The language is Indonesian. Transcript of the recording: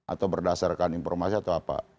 atau berdasarkan informasi atau apa